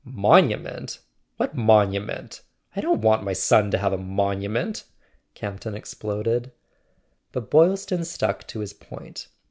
"Monument? What monument? I don't want my son to have a monument," Campton exploded. But Boylston stuck to his point.